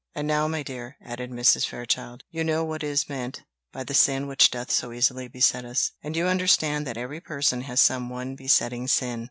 And now, my dear," added Mrs. Fairchild, "you know what is meant by the sin which doth so easily beset us; and you understand that every person has some one besetting sin."